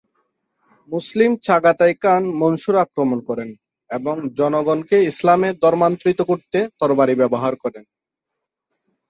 মুসলিম Chagatai Khan Mansur আক্রমণ করেন এবং জনগণকে ইসলামে ধর্মান্তরিত করতে তরবারি ব্যবহার করেন।